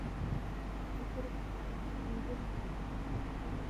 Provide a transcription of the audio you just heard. اخرج حالا! انزل حالا!